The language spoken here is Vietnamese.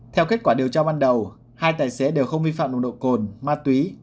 theo kết quả điều tra ban đầu hai tài xế đều không vi phạm nồng độ cồn ma túy